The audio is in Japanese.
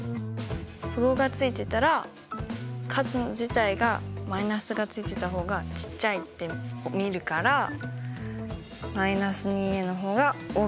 符号がついてたら数自体が−がついてた方がちっちゃいって見るから−２の方が大きい。